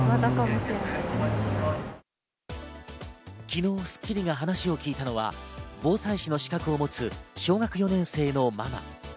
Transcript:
昨日『スッキリ』が話を聞いたのは、防災士の資格を持つ、小学４年生のママ。